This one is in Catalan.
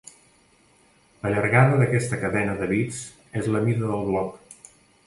La llargada d'aquesta cadena de bits és la mida del bloc.